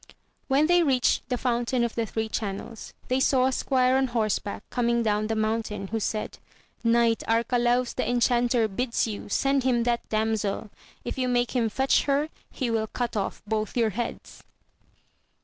When they reached the Fountain of the Three Channels, they saw a squire on horseback coming down the mountain, who said, knight Arcalaus the Enchanter bids you send him that damsel, if you make him fetch her, he will cut off both your heads.